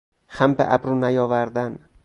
خم به ابرو نیاوردن